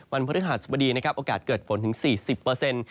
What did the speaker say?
วันพฤหาสบดีโอกาสเกิดฝนถึง๔๐